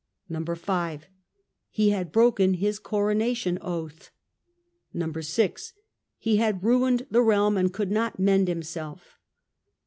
(5) He had broken his coronation oath. (6) He had ruined the realm and could not mend himself.